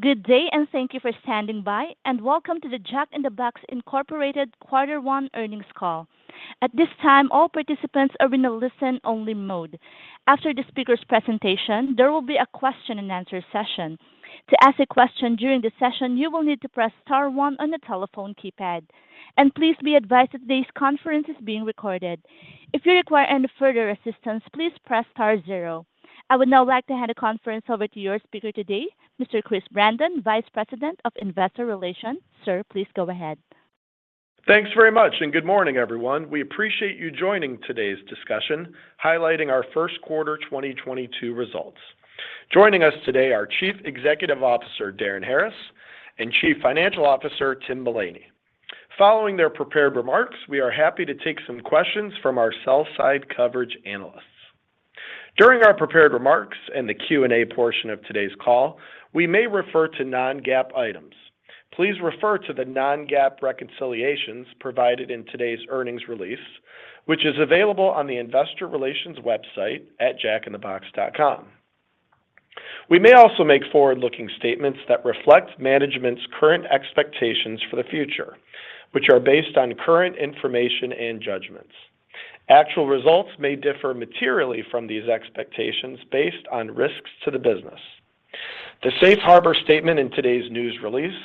Good day, and thank you for standing by, and welcome to the Jack in the Box Incorporated Quarter One Earnings Call. At this time, all participants are in a listen-only mode. After the speaker's presentation, there will be a question and answer session. To ask a question during the session, you will need to press star one on the telephone keypad. Please be advised that today's conference is being recorded. If you require any further assistance, please press star zero. I would now like to hand the conference over to your speaker today, Mr. Chris Brandon, Vice President of Investor Relations. Sir, please go ahead. Thanks very much, and good morning, everyone. We appreciate you joining today's discussion highlighting our first quarter 2022 results. Joining us today are Chief Executive Officer, Darin Harris, and Chief Financial Officer, Tim Mullany. Following their prepared remarks, we are happy to take some questions from our sell-side coverage analysts. During our prepared remarks and the Q&A portion of today's call, we may refer to non-GAAP items. Please refer to the non-GAAP reconciliations provided in today's earnings release, which is available on the investor relations website at jackinthebox.com. We may also make forward-looking statements that reflect management's current expectations for the future, which are based on current information and judgments. Actual results may differ materially from these expectations based on risks to the business. The safe harbor statement in today's news release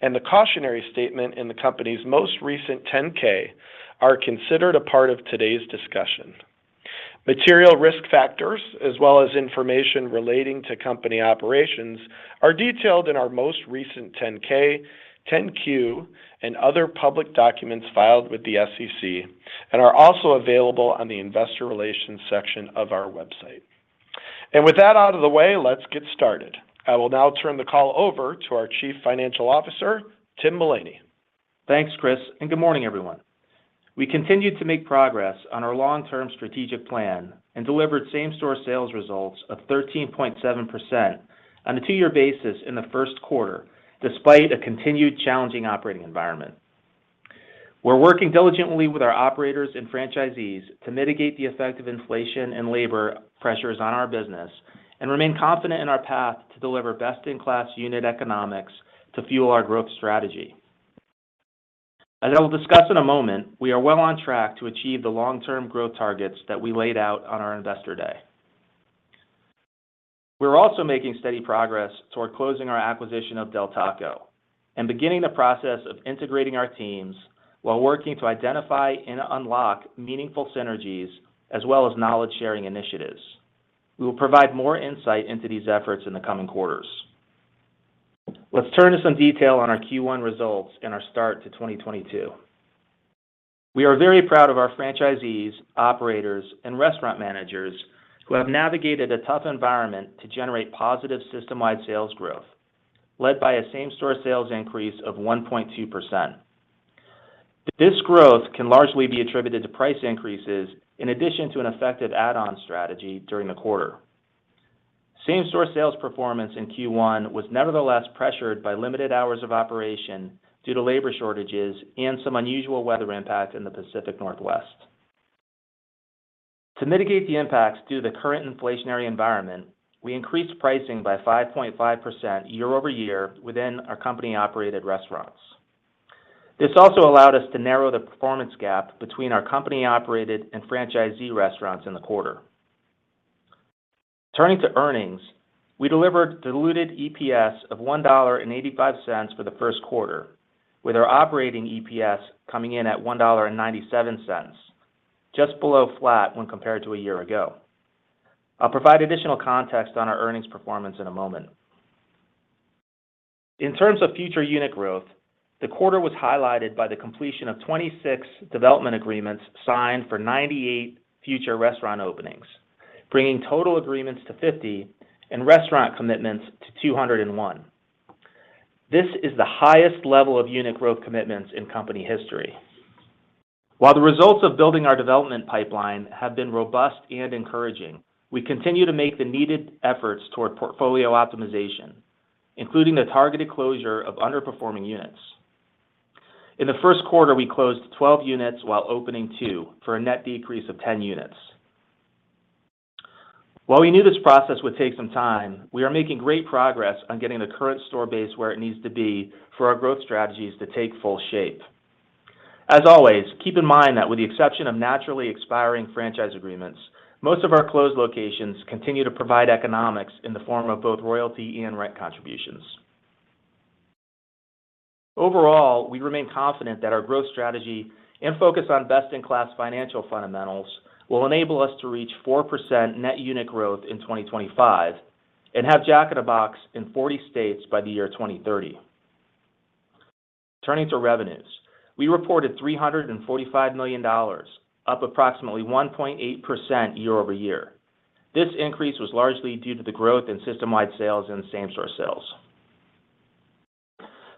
and the cautionary statement in the company's most recent 10-K are considered a part of today's discussion. Material risk factors as well as information relating to company operations are detailed in our most recent 10-K, 10-Q, and other public documents filed with the SEC and are also available on the investor relations section of our website. With that out of the way, let's get started. I will now turn the call over to our Chief Financial Officer, Tim Mullany. Thanks, Chris, and good morning, everyone. We continued to make progress on our long-term strategic plan and delivered same-store sales results of 13.7% on a two-year basis in the first quarter, despite a continued challenging operating environment. We're working diligently with our operators and franchisees to mitigate the effect of inflation and labor pressures on our business and remain confident in our path to deliver best-in-class unit economics to fuel our growth strategy. As I will discuss in a moment, we are well on track to achieve the long-term growth targets that we laid out on our Investor Day. We're also making steady progress toward closing our acquisition of Del Taco and beginning the process of integrating our teams while working to identify and unlock meaningful synergies as well as knowledge-sharing initiatives. We will provide more insight into these efforts in the coming quarters. Let's turn to some detail on our Q1 results and our start to 2022. We are very proud of our franchisees, operators, and restaurant managers who have navigated a tough environment to generate positive system-wide sales growth, led by a same-store sales increase of 1.2%. This growth can largely be attributed to price increases in addition to an effective add-on strategy during the quarter. Same-store sales performance in Q1 was nevertheless pressured by limited hours of operation due to labor shortages and some unusual weather impacts in the Pacific Northwest. To mitigate the impacts due to the current inflationary environment, we increased pricing by 5.5% year-over-year within our company-operated restaurants. This also allowed us to narrow the performance gap between our company-operated and franchisee restaurants in the quarter. Turning to earnings, we delivered diluted EPS of $1.85 for the first quarter, with our operating EPS coming in at $1.97, just below flat when compared to a year ago. I'll provide additional context on our earnings performance in a moment. In terms of future unit growth, the quarter was highlighted by the completion of 26 development agreements signed for 98 future restaurant openings, bringing total agreements to 50 and restaurant commitments to 201. This is the highest level of unit growth commitments in company history. While the results of building our development pipeline have been robust and encouraging, we continue to make the needed efforts toward portfolio optimization, including the targeted closure of underperforming units. In the first quarter, we closed 12 units while opening two for a net decrease of 10 units. While we knew this process would take some time, we are making great progress on getting the current store base where it needs to be for our growth strategies to take full shape. As always, keep in mind that with the exception of naturally expiring franchise agreements, most of our closed locations continue to provide economics in the form of both royalty and rent contributions. Overall, we remain confident that our growth strategy and focus on best-in-class financial fundamentals will enable us to reach 4% net unit growth in 2025 and have Jack in the Box in 40 states by the year 2030. Turning to revenues, we reported $345 million, up approximately 1.8% year-over-year. This increase was largely due to the growth in system-wide sales and same-store sales.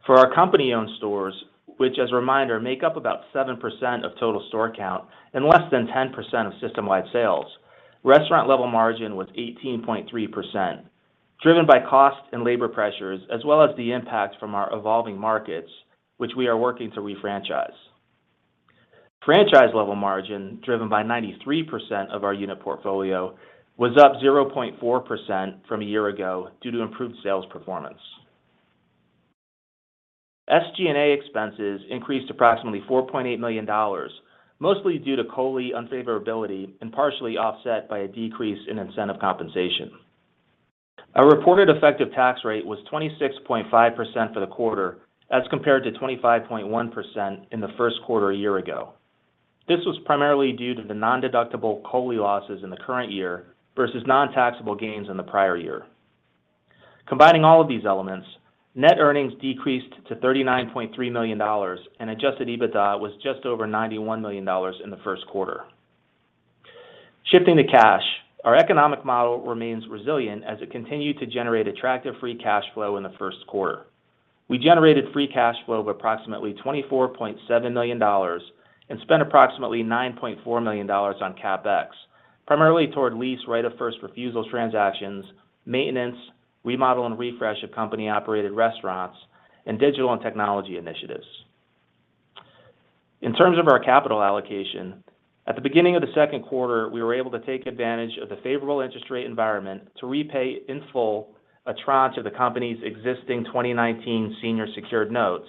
For our company-owned stores, which as a reminder make up about 7% of total store count and less than 10% of system-wide sales, restaurant level margin was 18.3%, driven by cost and labor pressures as well as the impacts from our evolving markets, which we are working to refranchise. Franchise level margin, driven by 93% of our unit portfolio, was up 0.4% from a year ago due to improved sales performance. SG&A expenses increased approximately $4.8 million, mostly due to COLI unfavorability and partially offset by a decrease in incentive compensation. Our reported effective tax rate was 26.5% for the quarter as compared to 25.1% in the first quarter a year ago. This was primarily due to the non-deductible COLI losses in the current year versus non-taxable gains in the prior year. Combining all of these elements, net earnings decreased to $39.3 million, and adjusted EBITDA was just over $91 million in the first quarter. Shifting to cash, our economic model remains resilient as it continued to generate attractive free cash flow in the first quarter. We generated free cash flow of approximately $24.7 million and spent approximately $9.4 million on CapEx, primarily toward lease right of first refusal transactions, maintenance, remodel and refresh of company-operated restaurants, and digital and technology initiatives. In terms of our capital allocation, at the beginning of the second quarter, we were able to take advantage of the favorable interest rate environment to repay in full a tranche of the company's existing 2019 senior secured notes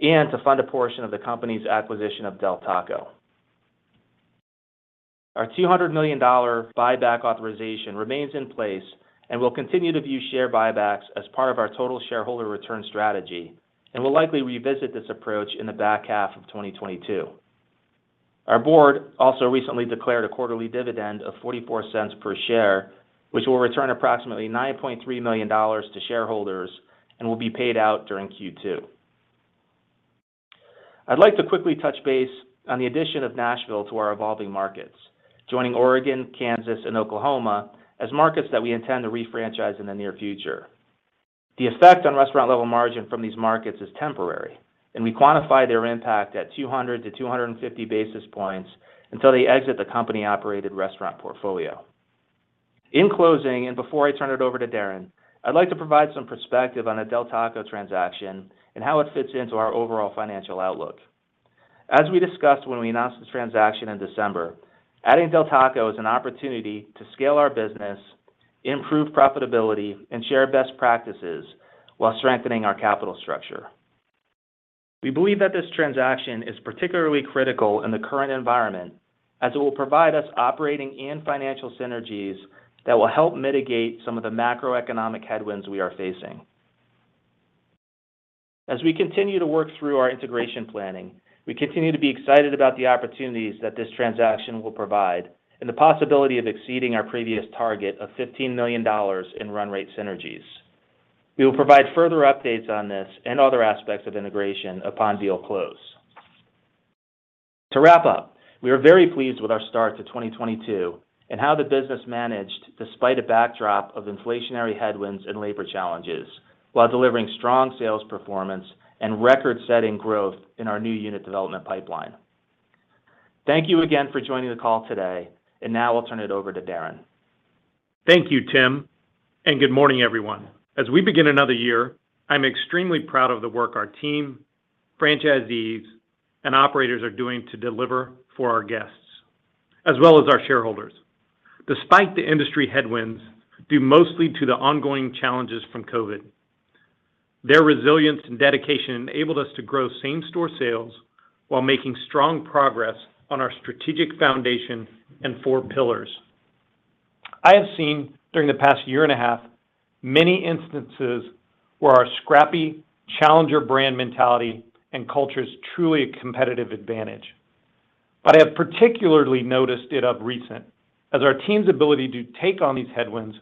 and to fund a portion of the company's acquisition of Del Taco. Our $200 million buyback authorization remains in place, and we'll continue to view share buybacks as part of our total shareholder return strategy and will likely revisit this approach in the back half of 2022. Our board also recently declared a quarterly dividend of $0.44 per share, which will return approximately $9.3 million to shareholders and will be paid out during Q2. I'd like to quickly touch base on the addition of Nashville to our evolving markets, joining Oregon, Kansas, and Oklahoma as markets that we intend to refranchise in the near future. The effect on restaurant level margin from these markets is temporary, and we quantify their impact at 200-250 basis points until they exit the company-operated restaurant portfolio. In closing, before I turn it over to Darin, I'd like to provide some perspective on the Del Taco transaction and how it fits into our overall financial outlook. As we discussed when we announced this transaction in December, adding Del Taco is an opportunity to scale our business, improve profitability, and share best practices while strengthening our capital structure. We believe that this transaction is particularly critical in the current environment as it will provide us operating and financial synergies that will help mitigate some of the macroeconomic headwinds we are facing. As we continue to work through our integration planning, we continue to be excited about the opportunities that this transaction will provide and the possibility of exceeding our previous target of $15 million in run rate synergies. We will provide further updates on this and other aspects of integration upon deal close. To wrap up, we are very pleased with our start to 2022 and how the business managed despite a backdrop of inflationary headwinds and labor challenges while delivering strong sales performance and record-setting growth in our new unit development pipeline. Thank you again for joining the call today, and now I'll turn it over to Darin. Thank you, Tim, and good morning, everyone. As we begin another year, I'm extremely proud of the work our team, franchisees, and operators are doing to deliver for our guests, as well as our shareholders, despite the industry headwinds due mostly to the ongoing challenges from COVID. Their resilience and dedication enabled us to grow same-store sales while making strong progress on our strategic foundation and four pillars. I have seen during the past year and a half many instances where our scrappy challenger brand mentality and culture is truly a competitive advantage. I have particularly noticed it of recent as our team's ability to take on these headwinds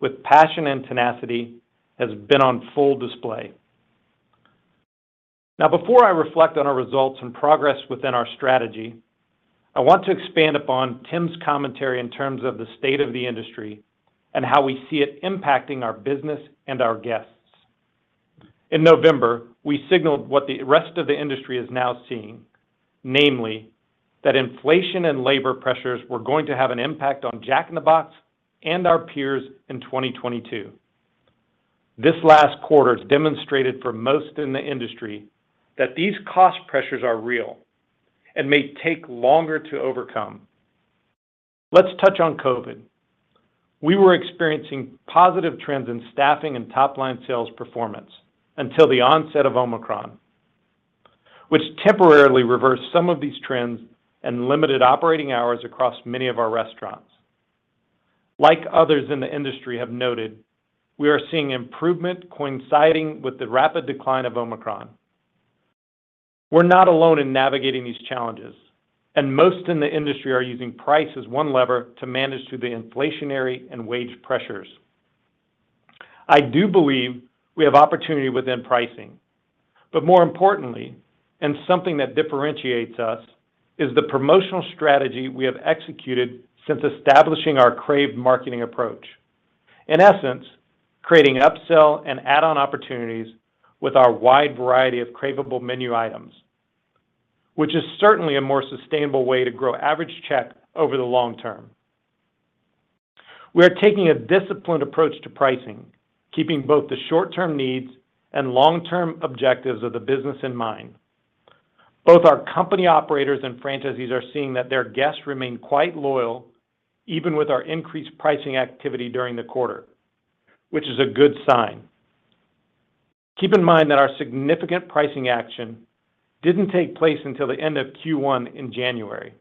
with passion and tenacity has been on full display. Now, before I reflect on our results and progress within our strategy, I want to expand upon Tim's commentary in terms of the state of the industry and how we see it impacting our business and our guests. In November, we signaled what the rest of the industry is now seeing, namely that inflation and labor pressures were going to have an impact on Jack in the Box and our peers in 2022. This last quarter has demonstrated for most in the industry that these cost pressures are real and may take longer to overcome. Let's touch on COVID. We were experiencing positive trends in staffing and top-line sales performance until the onset of Omicron, which temporarily reversed some of these trends and limited operating hours across many of our restaurants. Like others in the industry have noted, we are seeing improvement coinciding with the rapid decline of Omicron. We're not alone in navigating these challenges, and most in the industry are using price as one lever to manage through the inflationary and wage pressures. I do believe we have opportunity within pricing, but more importantly, and something that differentiates us, is the promotional strategy we have executed since establishing our Crave marketing approach. In essence, creating upsell and add-on opportunities with our wide variety of craveable menu items, which is certainly a more sustainable way to grow average check over the long term. We are taking a disciplined approach to pricing, keeping both the short-term needs and long-term objectives of the business in mind. Both our company operators and franchisees are seeing that their guests remain quite loyal even with our increased pricing activity during the quarter, which is a good sign. Keep in mind that our significant pricing action didn't take place until the end of Q1 in January.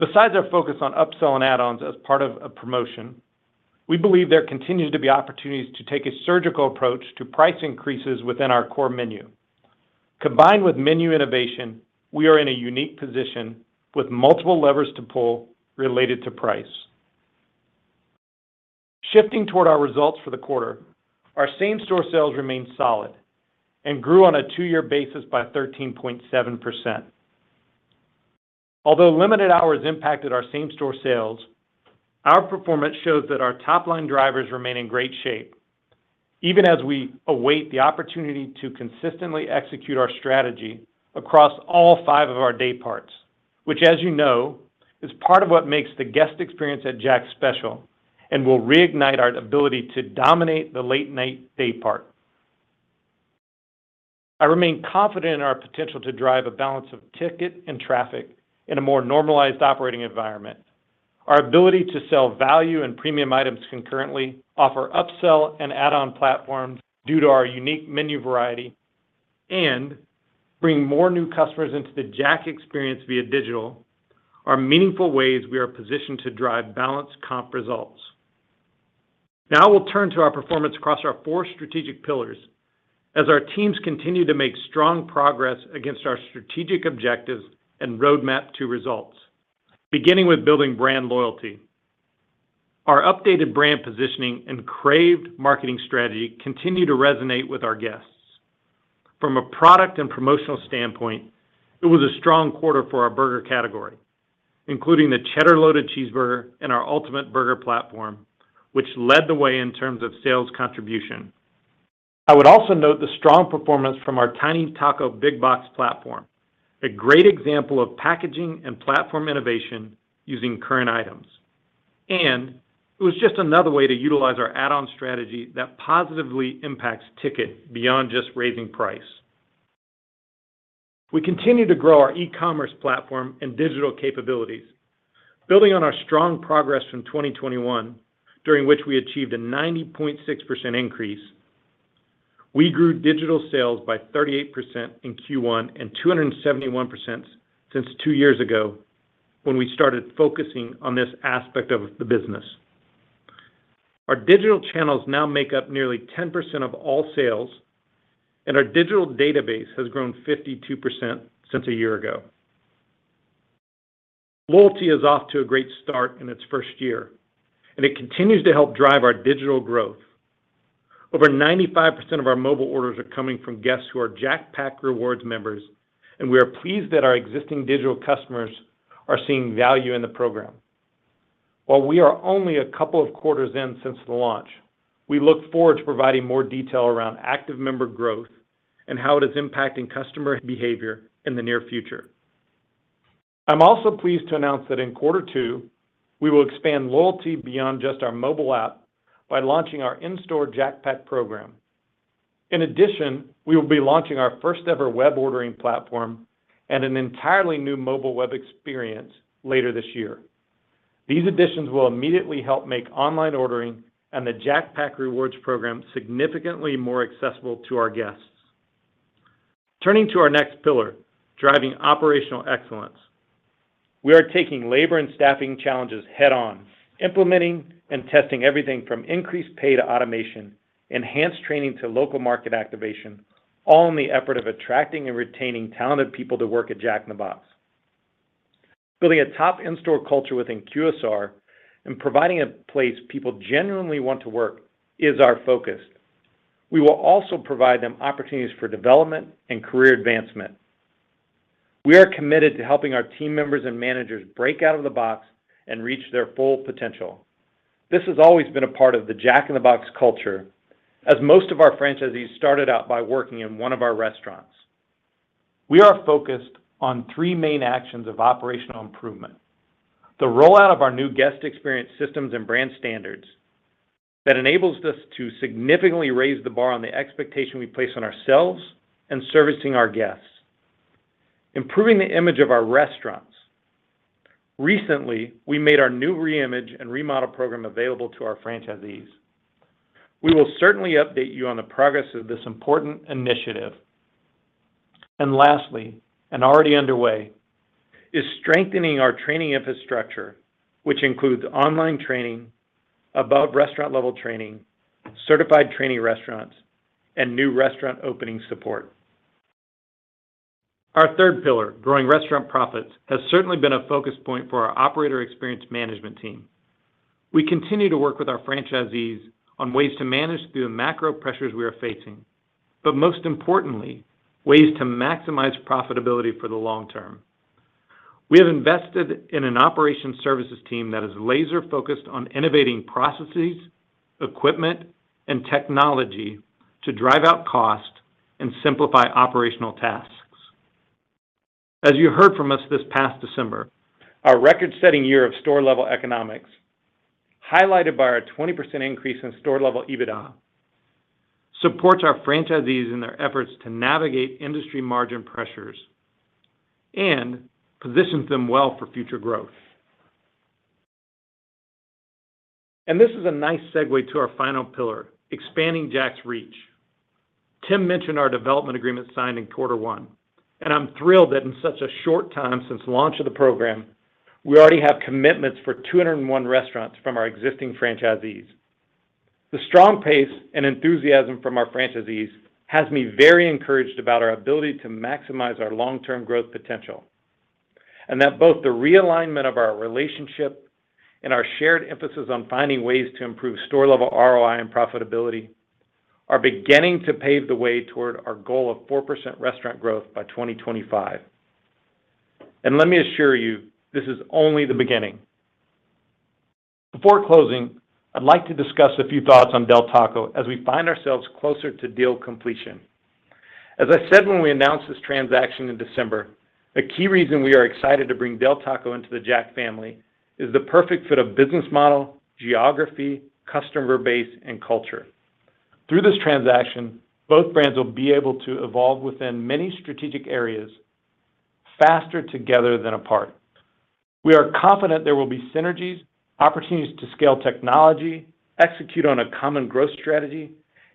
Besides our focus on upsell and add-ons as part of a promotion, we believe there continues to be opportunities to take a surgical approach to price increases within our core menu. Combined with menu innovation, we are in a unique position with multiple levers to pull related to price. Shifting toward our results for the quarter, our same-store sales remained solid and grew on a two-year basis by 13.7%. Although limited hours impacted our same-store sales, our performance shows that our top-line drivers remain in great shape, even as we await the opportunity to consistently execute our strategy across all five of our day parts, which as you know, is part of what makes the guest experience at Jack's special and will reignite our ability to dominate the late-night day part. I remain confident in our potential to drive a balance of ticket and traffic in a more normalized operating environment. Our ability to sell value and premium items concurrently offer upsell and add-on platforms due to our unique menu variety and bring more new customers into the Jack experience via digital are meaningful ways we are positioned to drive balanced comp results. Now we'll turn to our performance across our four strategic pillars as our teams continue to make strong progress against our strategic objectives and roadmap to results. Beginning with building brand loyalty. Our updated brand positioning and Crave marketing strategy continue to resonate with our guests. From a product and promotional standpoint, it was a strong quarter for our burger category, including the Cheddar Loaded Cheeseburger and our Ultimate Cheeseburger platform, which led the way in terms of sales contribution. I would also note the strong performance from our Tiny Taco Big Box platform, a great example of packaging and platform innovation using current items. It was just another way to utilize our add-on strategy that positively impacts ticket beyond just raising price. We continue to grow our e-commerce platform and digital capabilities. Building on our strong progress from 2021, during which we achieved a 90.6% increase, we grew digital sales by 38% in Q1 and 271% since 2 years ago when we started focusing on this aspect of the business. Our digital channels now make up nearly 10% of all sales, and our digital database has grown 52% since 1 year ago. Loyalty is off to a great start in its first year, and it continues to help drive our digital growth. Over 95% of our mobile orders are coming from guests who are Jack Pack Rewards members, and we are pleased that our existing digital customers are seeing value in the program. While we are only a couple of quarters in since the launch, we look forward to providing more detail around active member growth and how it is impacting customer behavior in the near future. I'm also pleased to announce that in quarter two, we will expand loyalty beyond just our mobile app by launching our in-store Jack Pack program. In addition, we will be launching our first ever web ordering platform and an entirely new mobile web experience later this year. These additions will immediately help make online ordering and the Jack Pack Rewards program significantly more accessible to our guests. Turning to our next pillar, driving operational excellence. We are taking labor and staffing challenges head-on, implementing and testing everything from increased pay to automation, enhanced training to local market activation, all in the effort of attracting and retaining talented people to work at Jack in the Box. Building a top in-store culture within QSR and providing a place people genuinely want to work is our focus. We will also provide them opportunities for development and career advancement. We are committed to helping our team members and managers break out of the box and reach their full potential. This has always been a part of the Jack in the Box culture as most of our franchisees started out by working in one of our restaurants. We are focused on three main actions of operational improvement. The rollout of our new guest experience systems and brand standards that enables us to significantly raise the bar on the expectation we place on ourselves and servicing our guests. Improving the image of our restaurants. Recently, we made our new reimage and remodel program available to our franchisees. We will certainly update you on the progress of this important initiative. Lastly, and already underway, is strengthening our training infrastructure, which includes online training, above restaurant-level training, certified training restaurants, and new restaurant opening support. Our third pillar, growing restaurant profits, has certainly been a focus point for our operator experience management team. We continue to work with our franchisees on ways to manage through the macro pressures we are facing, but most importantly, ways to maximize profitability for the long term. We have invested in an operation services team that is laser-focused on innovating processes, equipment, and technology to drive out cost and simplify operational tasks. As you heard from us this past December, our record-setting year of store-level economics, highlighted by our 20% increase in store-level EBITDA, supports our franchisees in their efforts to navigate industry margin pressures and positions them well for future growth. This is a nice segue to our final pillar, expanding Jack's reach. Tim mentioned our development agreement signed in quarter one, and I'm thrilled that in such a short time since launch of the program, we already have commitments for 201 restaurants from our existing franchisees. The strong pace and enthusiasm from our franchisees has me very encouraged about our ability to maximize our long-term growth potential, and that both the realignment of our relationship and our shared emphasis on finding ways to improve store-level ROI and profitability are beginning to pave the way toward our goal of 4% restaurant growth by 2025. Let me assure you, this is only the beginning. Before closing, I'd like to discuss a few thoughts on Del Taco as we find ourselves closer to deal completion. As I said when we announced this transaction in December, the key reason we are excited to bring Del Taco into the Jack family is the perfect fit of business model, geography, customer base, and culture. Through this transaction, both brands will be able to evolve within many strategic areas faster together than apart. We are confident there will be synergies, opportunities to scale technology, execute on a common growth strategy,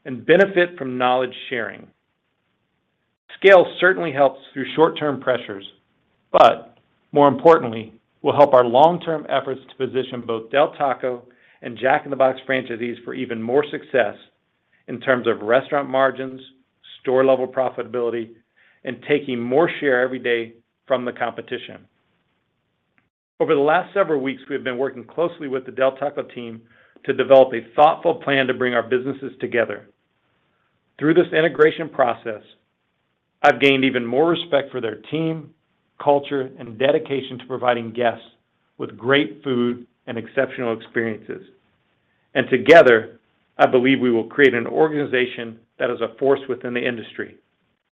and benefit from knowledge sharing. Scale certainly helps through short-term pressures, but more importantly, will help our long-term efforts to position both Del Taco and Jack in the Box franchisees for even more success in terms of restaurant margins, store-level profitability, and taking more share every day from the competition. Over the last several weeks, we have been working closely with the Del Taco team to develop a thoughtful plan to bring our businesses together. Through this integration process, I've gained even more respect for their team, culture, and dedication to providing guests with great food and exceptional experiences. Together, I believe we will create an organization that is a force within the industry.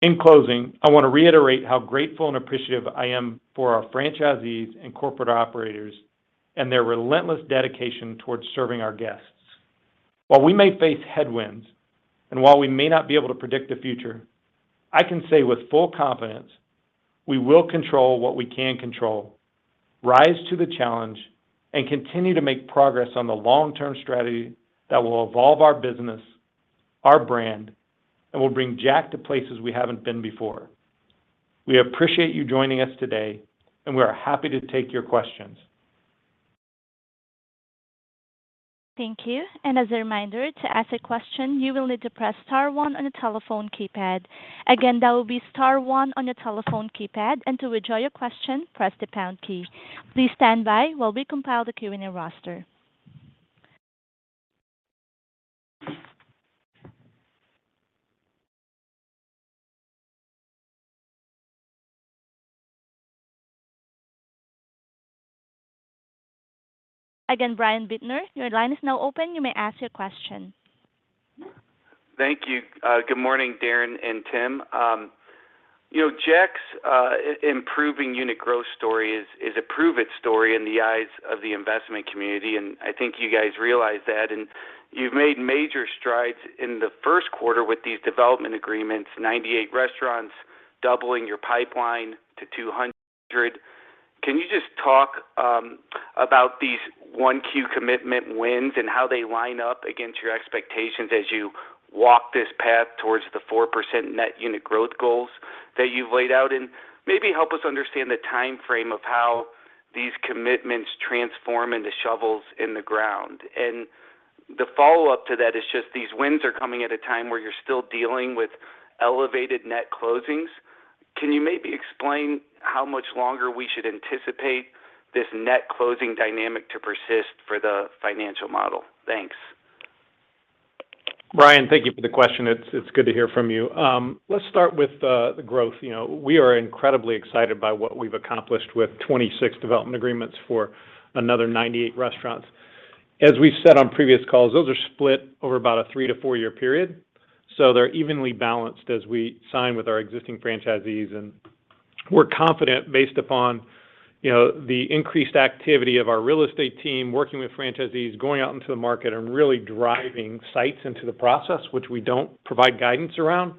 In closing, I want to reiterate how grateful and appreciative I am for our franchisees and corporate operators and their relentless dedication towards serving our guests. While we may face headwinds, and while we may not be able to predict the future, I can say with full confidence, we will control what we can control, rise to the challenge, and continue to make progress on the long-term strategy that will evolve our business, our brand, and will bring Jack to places we haven't been before. We appreciate you joining us today, and we are happy to take your questions. Thank you. As a reminder, to ask a question, you will need to press star one on the telephone keypad. Again, that will be star one on your telephone keypad. To withdraw your question, press the pound key. Please stand by while we compile the Q&A roster. Again, Brian Bittner, your line is now open. You may ask your question. Thank you. Good morning, Darin and Tim. You know, Jack's improving unit growth story is a prove it story in the eyes of the investment community, and I think you guys realize that. You've made major strides in the first quarter with these development agreements, 98 restaurants, doubling your pipeline to 200. Can you just talk about these Q1 commitment wins and how they line up against your expectations as you walk this path towards the 4% net unit growth goals that you've laid out? Maybe help us understand the timeframe of how these commitments transform into shovels in the ground. The follow-up to that is just these wins are coming at a time where you're still dealing with elevated net closings. Can you maybe explain how much longer we should anticipate this net closing dynamic to persist for the financial model? Thanks. Brian, thank you for the question. It's good to hear from you. Let's start with the growth. You know, we are incredibly excited by what we've accomplished with 26 development agreements for another 98 restaurants. As we've said on previous calls, those are split over about a 3- to 4-year period, so they're evenly balanced as we sign with our existing franchisees. We're confident based upon, you know, the increased activity of our real estate team working with franchisees, going out into the market and really driving sites into the process, which we don't provide guidance around,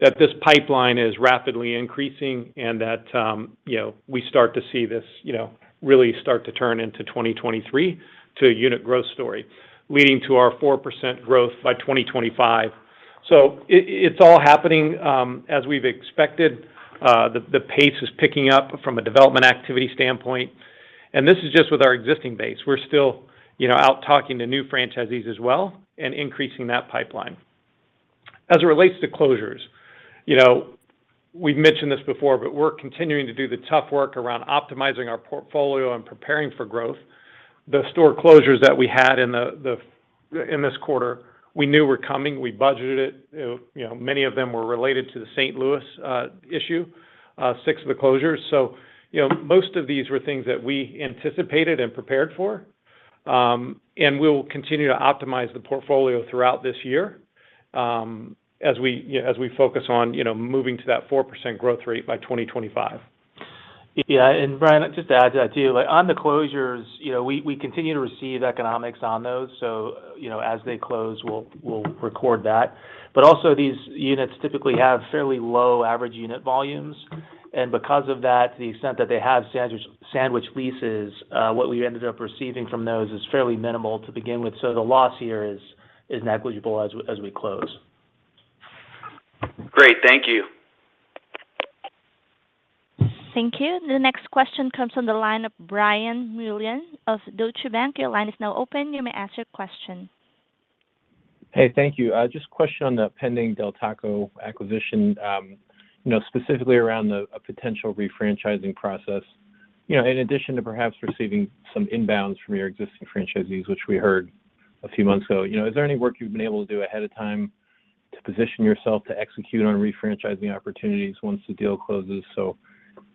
that this pipeline is rapidly increasing and that, you know, we start to see this, you know, really start to turn into 2023 to a unit growth story, leading to our 4% growth by 2025. It's all happening as we've expected. The pace is picking up from a development activity standpoint. This is just with our existing base. We're still, you know, out talking to new franchisees as well and increasing that pipeline. As it relates to closures, you know, we've mentioned this before, but we're continuing to do the tough work around optimizing our portfolio and preparing for growth. The store closures that we had in this quarter, we knew were coming, we budgeted it, you know, many of them were related to the St. Louis issue, 6 of the closures. You know, most of these were things that we anticipated and prepared for, and we will continue to optimize the portfolio throughout this year, as we, you know, as we focus on, you know, moving to that 4% growth rate by 2025. Brian, just to add to that too, like, on the closures, you know, we continue to receive economics on those. You know, as they close, we'll record that. Also these units typically have fairly low average unit volumes, and because of that, the extent that they have sandwich leases, what we ended up receiving from those is fairly minimal to begin with. The loss here is negligible as we close. Great. Thank you. Thank you. The next question comes from the line of Brian Mulligan of Deutsche Bank. Your line is now open. You may ask your question. Hey, thank you. Just a question on the pending Del Taco acquisition, you know, specifically around a potential refranchising process. You know, in addition to perhaps receiving some inbounds from your existing franchisees, which we heard a few months ago, you know, is there any work you've been able to do ahead of time to position yourself to execute on refranchising opportunities once the deal closes?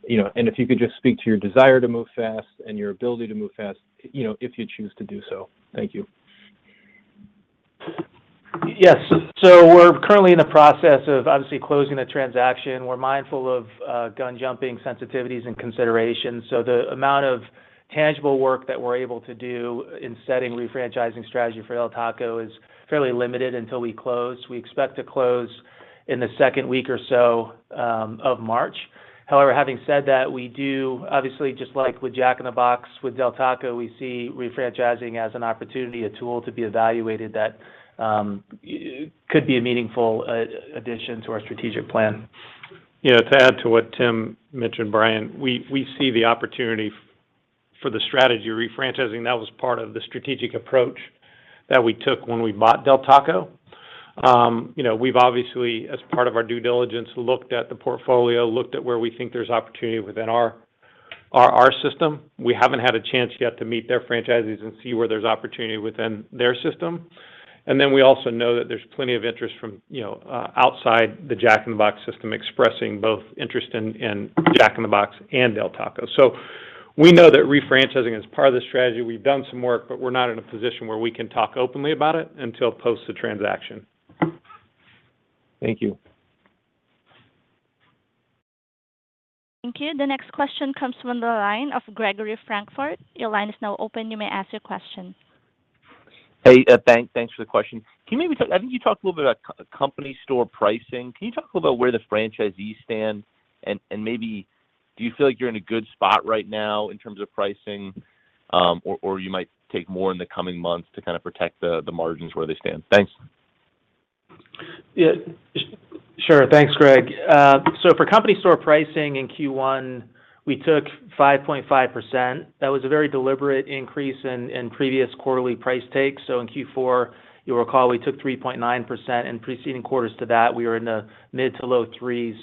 You know, and if you could just speak to your desire to move fast and your ability to move fast, you know, if you choose to do so. Thank you. Yes. We're currently in the process of obviously closing the transaction. We're mindful of gun jumping sensitivities and considerations. The amount of tangible work that we're able to do in setting refranchising strategy for Del Taco is fairly limited until we close. We expect to close in the second week or so of March. However, having said that, we do obviously, just like with Jack in the Box, with Del Taco, we see refranchising as an opportunity, a tool to be evaluated that could be a meaningful addition to our strategic plan. You know, to add to what Tim mentioned, Brian, we see the opportunity for the strategy refranchising. That was part of the strategic approach that we took when we bought Del Taco. You know, we've obviously, as part of our due diligence, looked at the portfolio, looked at where we think there's opportunity within our system. We haven't had a chance yet to meet their franchisees and see where there's opportunity within their system. Then we also know that there's plenty of interest from, you know, outside the Jack in the Box system, expressing both interest in Jack in the Box and Del Taco. We know that refranchising is part of the strategy. We've done some work, but we're not in a position where we can talk openly about it until post the transaction. Thank you. Thank you. The next question comes from the line of Gregory Francfort. Your line is now open. You may ask your question. Hey, thanks for the question. Can you maybe talk, I think you talked a little bit about company store pricing. Can you talk a little about where the franchisees stand and maybe do you feel like you're in a good spot right now in terms of pricing, or you might take more in the coming months to kind of protect the margins where they stand? Thanks. Yeah, sure. Thanks, Greg. For company store pricing in Q1, we took 5.5%. That was a very deliberate increase in previous quarterly price takes. In Q4, you'll recall we took 3.9%, in preceding quarters to that, we were in the mid- to low threes.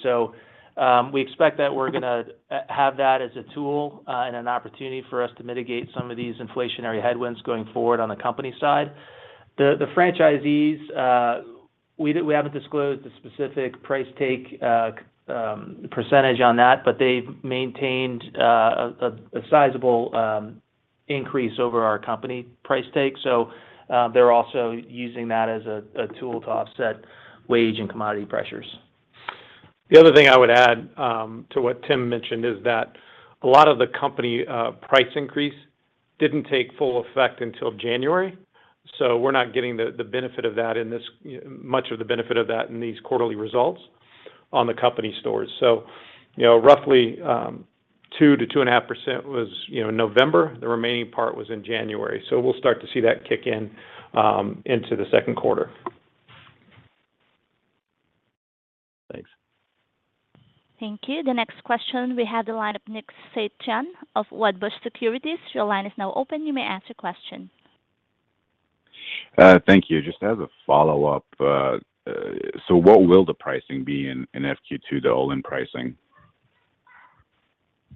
We expect that we're gonna have that as a tool and an opportunity for us to mitigate some of these inflationary headwinds going forward on the company side. The franchisees, we haven't disclosed the specific price take percentage on that, but they've maintained a sizable increase over our company price take. They're also using that as a tool to offset wage and commodity pressures. The other thing I would add to what Tim mentioned is that a lot of the company price increase didn't take full effect until January. We're not getting much of the benefit of that in these quarterly results on the company stores. You know, roughly, 2%-2.5% was November. The remaining part was in January. We'll start to see that kick in into the second quarter. Thanks. Thank you. The next question we have is from the line of Nick Setyan of Wedbush Securities. Your line is now open. You may ask your question. Thank you. Just as a follow-up, what will the pricing be in FQ2, the all-in pricing?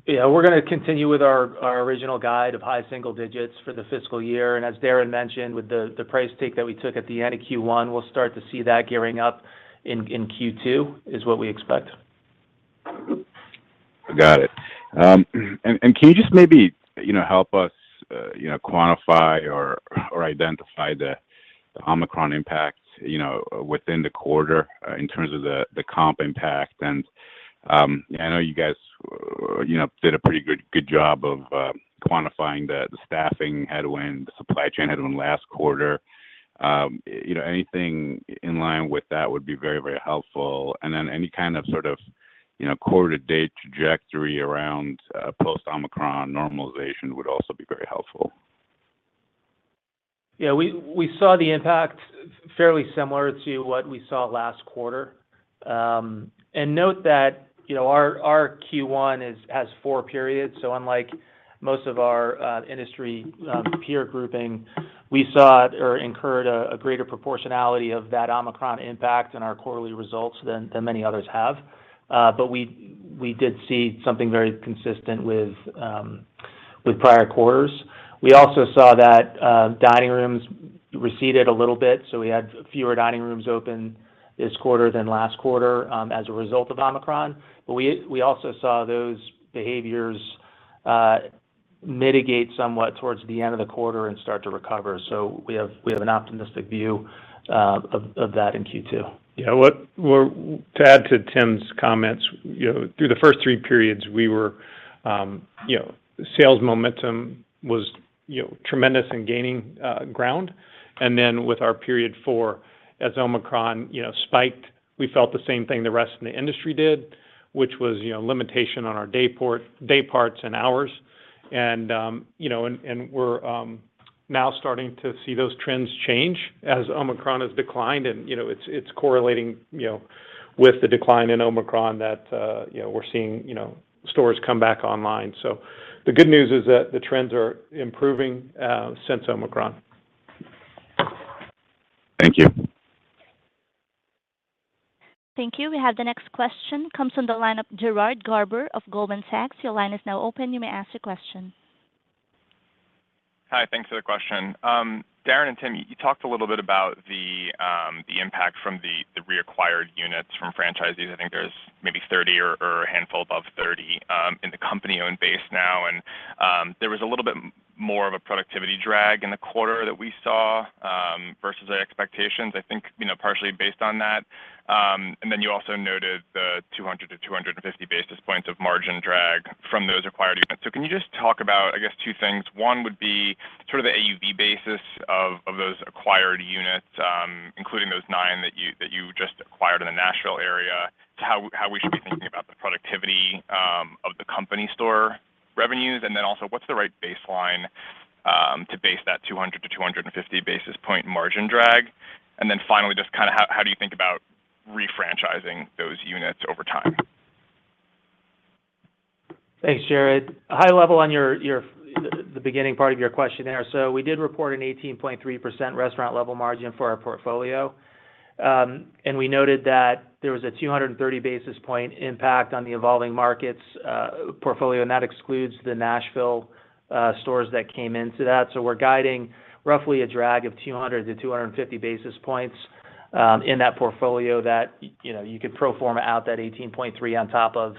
Yeah. We're gonna continue with our original guide of high single digits for the fiscal year. As Darin mentioned, with the price take that we took at the end of Q1, we'll start to see that gearing up in Q2, is what we expect. Got it. Can you just maybe, you know, help us, you know, quantify or identify the Omicron impact, you know, within the quarter, in terms of the comp impact? I know you guys, you know, did a pretty good job of quantifying the staffing headwind, the supply chain headwind last quarter. You know, anything in line with that would be very helpful. Any kind of, sort of, you know, quarter to date trajectory around post Omicron normalization would also be very helpful. Yeah, we saw the impact fairly similar to what we saw last quarter. Note that our Q1 has four periods. Unlike most of our industry peer grouping, we saw or incurred a greater proportionality of that Omicron impact in our quarterly results than many others have. We did see something very consistent with prior quarters. We also saw that dining rooms receded a little bit, so we had fewer dining rooms open this quarter than last quarter as a result of Omicron. We also saw those behaviors mitigate somewhat towards the end of the quarter and start to recover. We have an optimistic view of that in Q2. Yeah. To add to Tim's comments, you know, through the first three periods we were, you know, sales momentum was, you know, tremendous in gaining ground. Then with our period four as Omicron, you know, spiked, we felt the same thing the rest of the industry did, which was, you know, limitation on our day parts and hours. We're now starting to see those trends change as Omicron has declined and, you know, it's correlating, you know, with the decline in Omicron that, you know, we're seeing, you know, stores come back online. The good news is that the trends are improving since Omicron. Thank you. Thank you. We have the next question comes from the line of Jared Garber of Goldman Sachs. Your line is now open. You may ask your question. Hi. Thanks for the question. Darin and Tim, you talked a little bit about the impact from the reacquired units from franchisees. I think there's maybe 30 or a handful above 30 in the company-owned base now. There was a little bit more of a productivity drag in the quarter that we saw versus the expectations, I think, partially based on that. You also noted the 200 to 250 basis points of margin drag from those acquired units. Can you just talk about, I guess two things? One would be sort of the AUV basis of those acquired units, including those 9 that you just acquired in the Nashville area to how we should be thinking about the productivity of the company store revenues. What's the right baseline to base that 200-250 basis point margin drag? Finally, just how do you think about refranchising those units over time? Thanks, Jared. High level on your the beginning part of your question there. We did report an 18.3% restaurant-level margin for our portfolio. We noted that there was a 230 basis point impact on the evolving markets portfolio, and that excludes the Nashville stores that came into that. We're guiding roughly a drag of 200-250 basis points in that portfolio that you know you could pro forma out that 18.3 on top of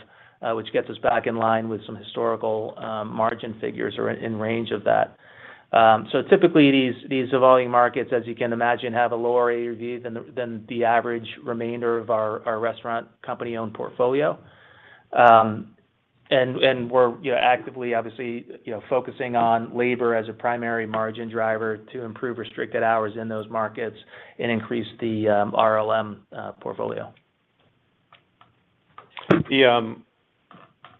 which gets us back in line with some historical margin figures or in range of that. Typically these evolving markets, as you can imagine, have a lower AUV than the average remainder of our restaurant company-owned portfolio. We're, you know, actively obviously, you know, focusing on labor as a primary margin driver to improve restricted hours in those markets and increase the RLM portfolio.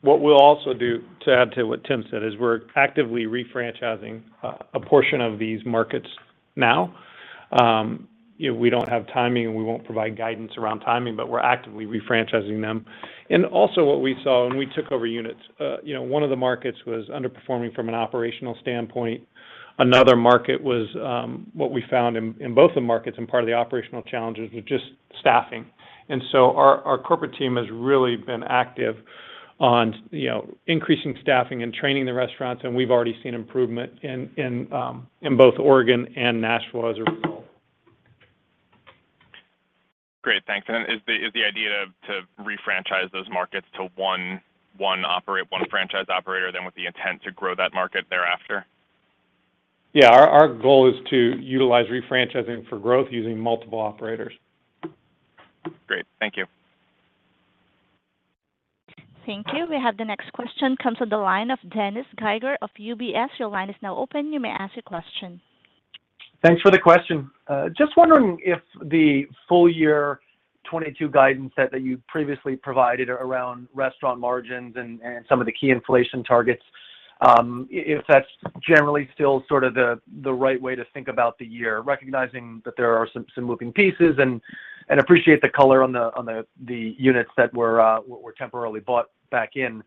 What we'll also do to add to what Tim said is we're actively refranchising a portion of these markets now. You know, we don't have timing and we won't provide guidance around timing, but we're actively refranchising them. What we saw when we took over units, you know, one of the markets was underperforming from an operational standpoint. Another market was what we found in both the markets and part of the operational challenges was just staffing. Our corporate team has really been active on, you know, increasing staffing and training the restaurants, and we've already seen improvement in both Oregon and Nashville as a result. Great. Thanks. Is the idea to refranchise those markets to one franchise operator with the intent to grow that market thereafter? Yeah. Our goal is to utilize refranchising for growth using multiple operators. Great. Thank you. Thank you. We have the next question comes from the line of Dennis Geiger of UBS. Your line is now open. You may ask your question. Thanks for the question. Just wondering if the full year 2022 guidance that you previously provided around restaurant margins and some of the key inflation targets, if that's generally still sort of the right way to think about the year, recognizing that there are some moving pieces and appreciate the color on the units that were temporarily bought back in.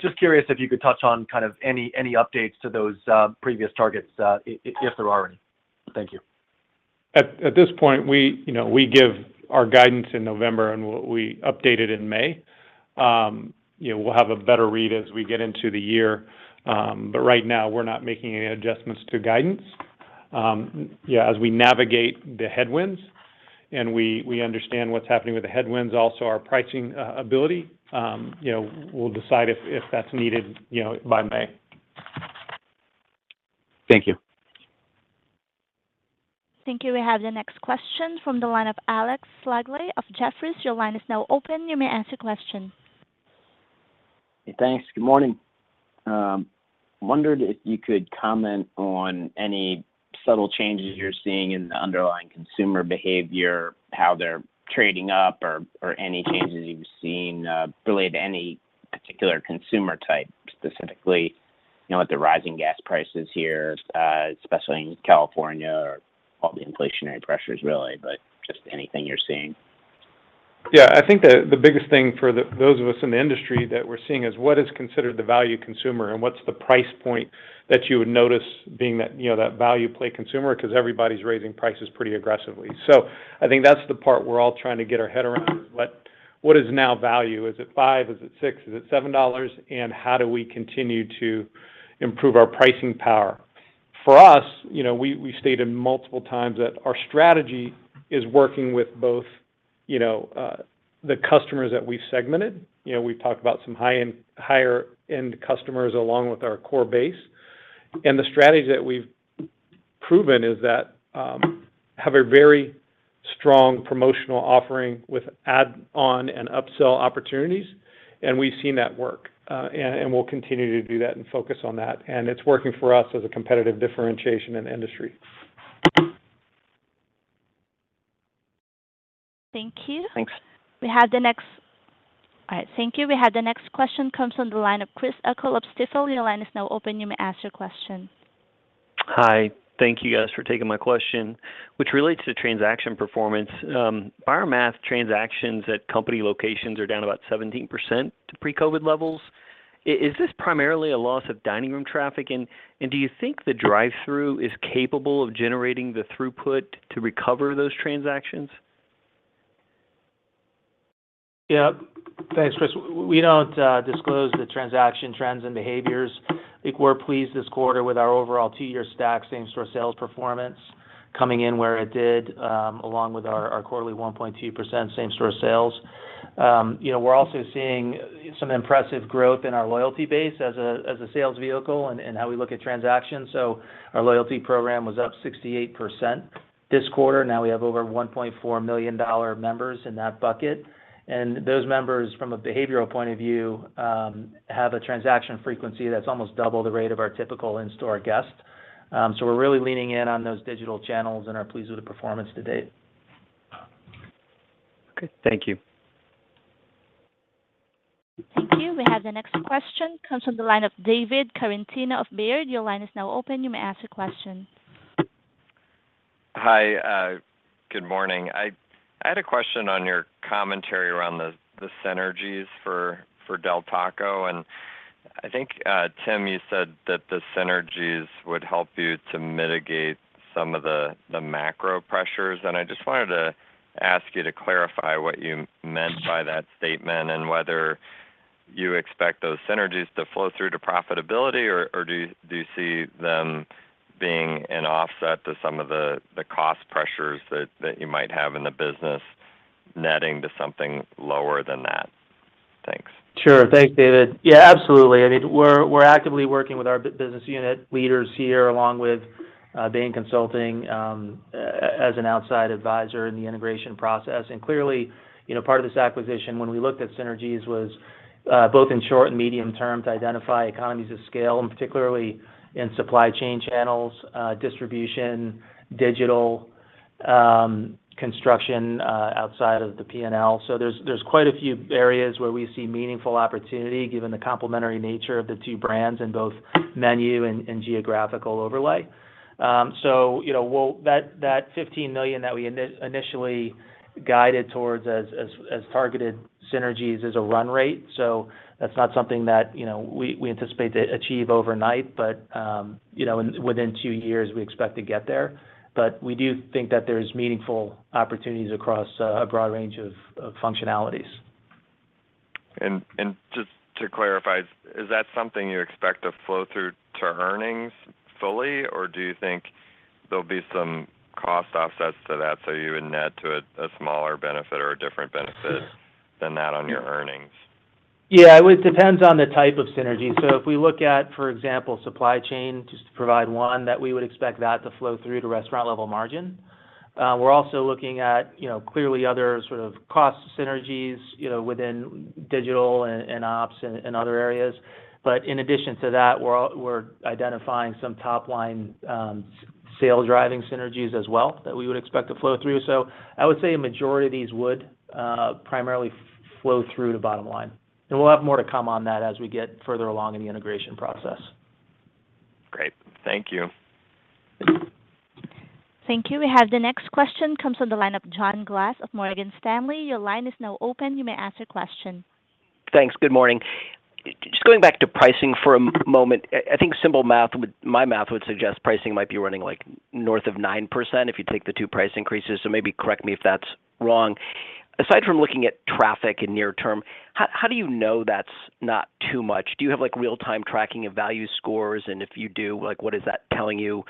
Just curious if you could touch on kind of any updates to those previous targets, if there are any. Thank you. At this point, you know, we give our guidance in November, and we updated in May. You know, we'll have a better read as we get into the year. Right now we're not making any adjustments to guidance. Yeah, as we navigate the headwinds and we understand what's happening with the headwinds, also our pricing ability, you know, we'll decide if that's needed, you know, by May. Thank you. Thank you. We have the next question from the line of Alexander Slagle of Jefferies. Your line is now open. You may ask your question. Hey, thanks. Good morning. I wondered if you could comment on any subtle changes you're seeing in the underlying consumer behavior, how they're trading up or any changes you've seen related to any particular consumer type, specifically, you know, with the rising gas prices here, especially in California or all the inflationary pressures really, but just anything you're seeing? Yeah. I think the biggest thing for those of us in the industry that we're seeing is what is considered the value consumer and what's the price point that you would notice being that, you know, that value play consumer, 'cause everybody's raising prices pretty aggressively. I think that's the part we're all trying to get our head around is what is the value now? Is it $5? Is it $6? Is it $7? How do we continue to improve our pricing power? For us, you know, we stated multiple times that our strategy is working with both, you know, the customers that we've segmented. You know, we've talked about some higher-end customers along with our core base. The strategy that we've proven is that we have a very strong promotional offering with add-on and upsell opportunities, and we've seen that work. We will continue to do that and focus on that. It's working for us as a competitive differentiation in the industry. Thank you. Thanks. All right, thank you. We have the next question comes from the line of Chris O'Cull of Stifel. Your line is now open. You may ask your question. Hi. Thank you guys for taking my question, which relates to transaction performance. By our math, transactions at company locations are down about 17% to pre-COVID levels. Is this primarily a loss of dining room traffic? Do you think the drive-thru is capable of generating the throughput to recover those transactions? Yeah. Thanks, Chris. We don't disclose the transaction trends and behaviors. I think we're pleased this quarter with our overall two-year stack same-store sales performance coming in where it did, along with our quarterly 1.2% same-store sales. You know, we're also seeing some impressive growth in our loyalty base as a sales vehicle and how we look at transactions. Our loyalty program was up 68% this quarter. Now we have over 1.4 million members in that bucket. Those members, from a behavioral point of view, have a transaction frequency that's almost double the rate of our typical in-store guest. We're really leaning in on those digital channels and are pleased with the performance to date. Okay. Thank you. Thank you. We have the next question comes from the line of David Tarantino of Baird. Your line is now open. You may ask your question. Hi. Good morning. I had a question on your commentary around the synergies for Del Taco. I think, Tim, you said that the synergies would help you to mitigate some of the macro pressures. I just wanted to ask you to clarify what you meant by that statement and whether you expect those synergies to flow through to profitability or do you see them being an offset to some of the cost pressures that you might have in the business netting to something lower than that? Thanks. Sure. Thanks, David. Yeah, absolutely. I mean, we're actively working with our business unit leaders here, along with Bain & Company as an outside advisor in the integration process. Clearly, you know, part of this acquisition, when we looked at synergies, was both in short and medium term to identify economies of scale, and particularly in supply chain channels, distribution, digital, construction, outside of the P&L. There's quite a few areas where we see meaningful opportunity given the complementary nature of the two brands in both menu and geographical overlay. You know, that $15 million that we initially guided towards as targeted synergies is a run rate. That's not something that, you know, we anticipate to achieve overnight, but, you know, within two years, we expect to get there. We do think that there's meaningful opportunities across a broad range of functionalities. Just to clarify, is that something you expect to flow through to earnings fully, or do you think there'll be some cost offsets to that, so you would net to a smaller benefit or a different benefit than that on your earnings? Yeah. It depends on the type of synergy. If we look at, for example, supply chain, just to provide one that we would expect that to flow through to restaurant-level margin. We're also looking at, you know, clearly other sort of cost synergies, you know, within digital and ops and other areas. In addition to that, we're identifying some top-line, sales-driving synergies as well that we would expect to flow through. I would say a majority of these would primarily flow through to bottom line. We'll have more to come on that as we get further along in the integration process. Great. Thank you. Thank you. We have the next question comes from the line of John Glass of Morgan Stanley. Your line is now open. You may ask your question. Thanks. Good morning. Just going back to pricing for a moment. I think my math would suggest pricing might be running like north of 9% if you take the two price increases. Maybe correct me if that's wrong. Aside from looking at traffic in the near term, how do you know that's not too much? Do you have like real-time tracking of value scores? And if you do, like, what is that telling you,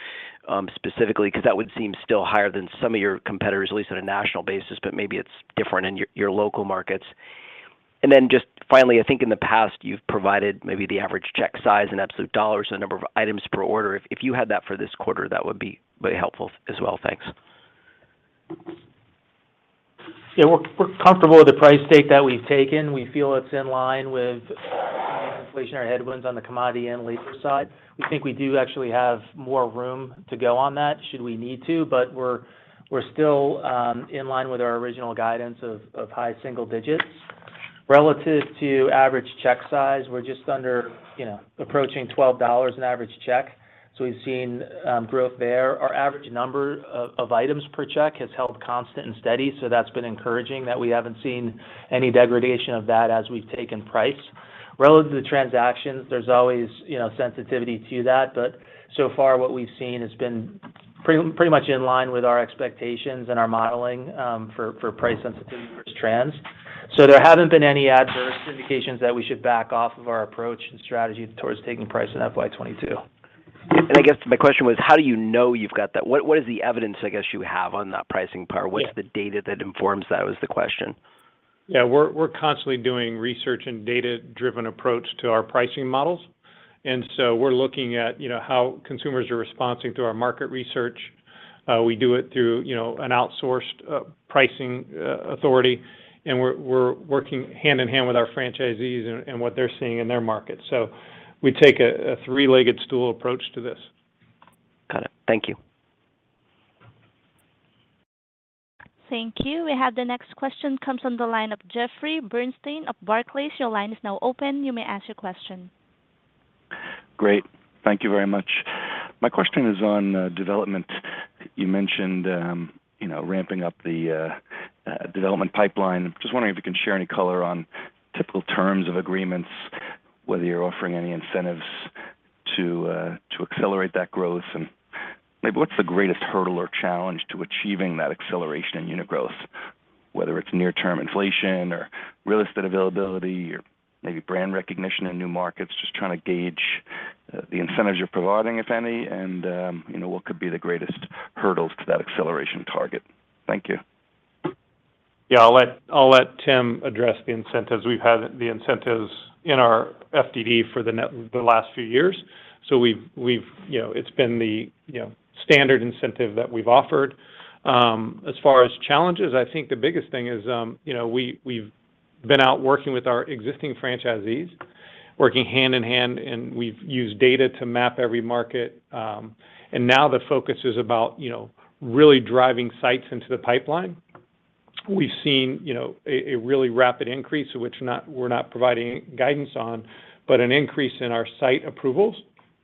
specifically? Because that would seem still higher than some of your competitors, at least on a national basis, but maybe it's different in your local markets. Then just finally, I think in the past, you've provided maybe the average check size in absolute dollars, the number of items per order. If you had that for this quarter, that would be very helpful as well. Thanks. Yeah. We're comfortable with the price take that we've taken. We feel it's in line with inflationary headwinds on the commodity and labor side. We think we do actually have more room to go on that should we need to, but we're still in line with our original guidance of high single digits%. Relative to average check size, we're just under, you know, approaching $12 in average check. So we've seen growth there. Our average number of items per check has held constant and steady. So that's been encouraging that we haven't seen any degradation of that as we've taken price. Relative to the transactions, there's always, you know, sensitivity to that. But so far what we've seen has been pretty much in line with our expectations and our modeling for price sensitivity versus trends. There haven't been any adverse indications that we should back off of our approach and strategy towards taking price in FY 2022. I guess my question was, how do you know you've got that? What is the evidence, I guess, you have on that pricing power? Yeah. What's the data that informs that, was the question. Yeah, we're constantly doing research and data-driven approach to our pricing models. We're looking at, you know, how consumers are responding to our market research. We do it through, you know, an outsourced pricing authority. We're working hand in hand with our franchisees and what they're seeing in their market. We take a three-legged stool approach to this. Got it. Thank you. Thank you. We have the next question comes from the line of Jeffrey Bernstein of Barclays. Your line is now open. You may ask your question. Great. Thank you very much. My question is on development. You mentioned, you know, ramping up the development pipeline. Just wondering if you can share any color on typical terms of agreements, whether you're offering any incentives to accelerate that growth. Maybe what's the greatest hurdle or challenge to achieving that acceleration in unit growth, whether it's near term inflation, or real estate availability, or maybe brand recognition in new markets? Just trying to gauge the incentives you're providing, if any, and, you know, what could be the greatest hurdles to that acceleration target. Thank you. Yeah. I'll let Tim address the incentives. We've had the incentives in our FDD for the last few years, so we've you know, it's been the you know, standard incentive that we've offered. As far as challenges, I think the biggest thing is you know, we've been out working with our existing franchisees, working hand in hand, and we've used data to map every market. Now the focus is about you know, really driving sites into the pipeline. We've seen you know, a really rapid increase, which we're not providing guidance on, but an increase in our site approvals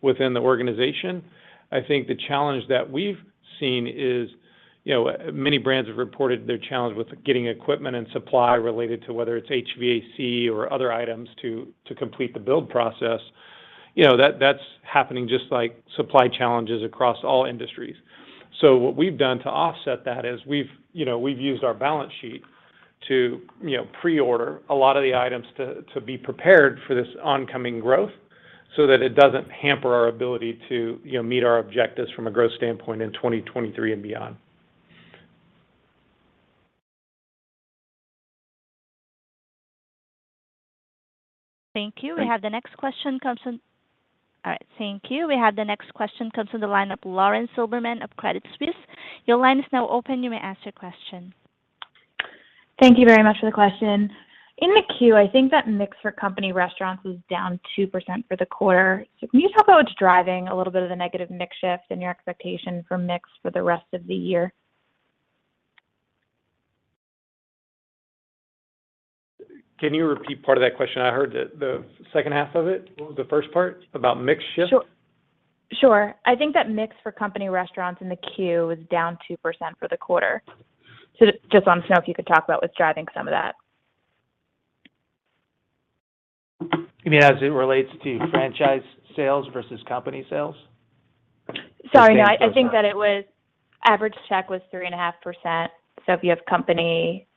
within the organization. I think the challenge that we've seen is you know, many brands have reported their challenge with getting equipment and supply related to whether it's HVAC or other items to complete the build process. You know, that's happening just like supply challenges across all industries. What we've done to offset that is we've used our balance sheet to you know pre-order a lot of the items to be prepared for this oncoming growth so that it doesn't hamper our ability to you know meet our objectives from a growth standpoint in 2023 and beyond. Thank you. Thank- All right. Thank you. We have the next question comes from the line of Lauren Silberman of Credit Suisse. Your line is now open. You may ask your question. Thank you very much for the question. In the Q, I think that mix for company restaurants was down 2% for the quarter. Can you talk about what's driving a little bit of the negative mix shift and your expectation for mix for the rest of the year? Can you repeat part of that question? I heard the second half of it. What was the first part about mix shift? Sure. I think that mix for company restaurants in the queue was down 2% for the quarter. Just wanted to know if you could talk about what's driving some of that. You mean as it relates to franchise sales versus company sales? Sorry, no. The same or I think that the average check was 3.5%. If you have company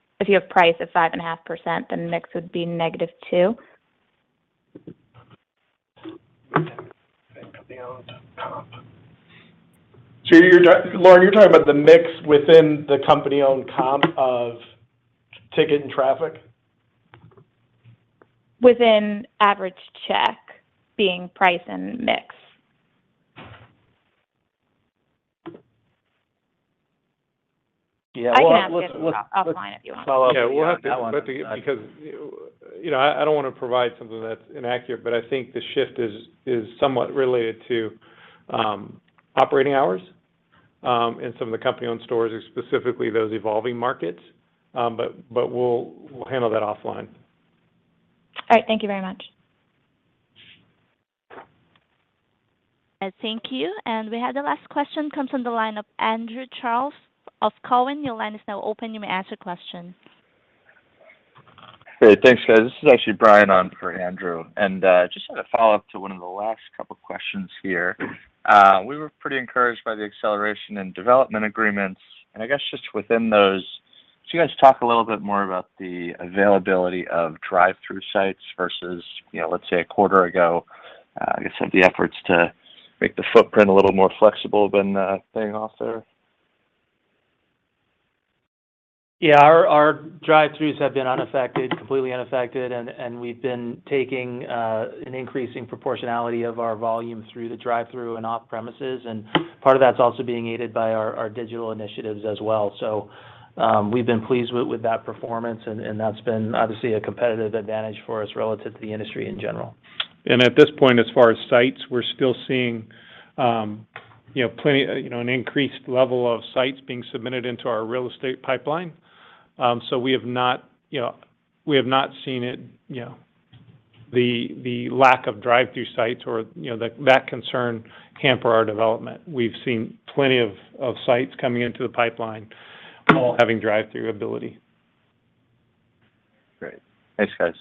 price of 5.5%, then mix would be -2%. Company-owned comp. Lauren, you're talking about the mix within the company-owned comp of ticket and traffic? Within average check being price and mix. Yeah. Well, let's. I can ask you to drop offline if you want. Follow up. Yeah, I wanted to. Because, you know, I don't wanna provide something that's inaccurate, but I think the shift is somewhat related to operating hours, and some of the company-owned stores are specifically those evolving markets. We'll handle that offline. All right. Thank you very much. Thank you. We have the last question comes from the line of Andrew Charles of Cowen. Your line is now open. You may ask your question. Hey, thanks, guys. This is actually Brian on for Andrew. Just as a follow-up to one of the last couple questions here. We were pretty encouraged by the acceleration and development agreements, and I guess just within those, could you guys talk a little bit more about the availability of drive-through sites versus, you know, let's say a quarter ago, I guess, of the efforts to make the footprint a little more flexible when staying off there Yeah. Our drive-throughs have been unaffected, completely unaffected, and we've been taking an increasing proportionality of our volume through the drive-through and off-premises, and part of that's also being aided by our digital initiatives as well. We've been pleased with that performance and that's been obviously a competitive advantage for us relative to the industry in general. At this point, as far as sites, we're still seeing, you know, plenty, you know, an increased level of sites being submitted into our real estate pipeline. We have not, you know, seen it, you know, the lack of drive-thru sites or, you know, that concern hamper our development. We've seen plenty of sites coming into the pipeline all having drive-thru ability. Great. Thanks, guys.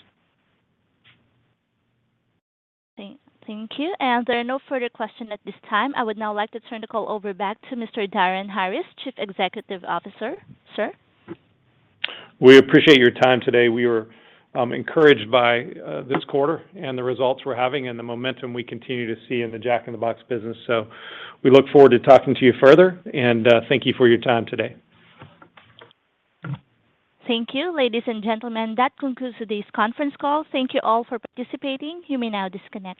Thank you. There are no further question at this time. I would now like to turn the call back over to Mr. Darin Harris, Chief Executive Officer. Sir. We appreciate your time today. We were encouraged by this quarter and the results we're having and the momentum we continue to see in the Jack in the Box business. We look forward to talking to you further and thank you for your time today. Thank you. Ladies and gentlemen, that concludes today's conference call. Thank you all for participating. You may now disconnect.